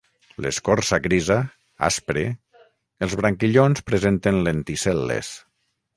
L'escorça grisa, aspre, els branquillons presenten lenticel·les.